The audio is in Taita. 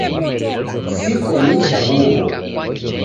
Sikonicha huwo